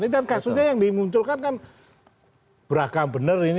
dan kasusnya yang dimunculkan kan beragam bener ini